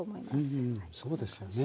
うんうんそうですよね。